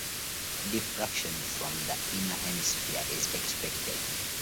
Diffraction from the inner hemisphere is expected.